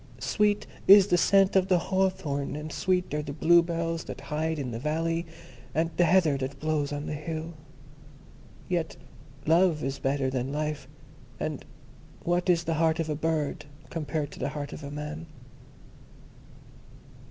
Sweet is the scent of the hawthorn, and sweet are the bluebells that hide in the valley, and the heather that blows on the hill. Yet Love is better than Life, and what is the heart of a bird compared to the heart of a man?"